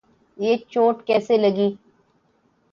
یہ چوٹ کیسے لگی؟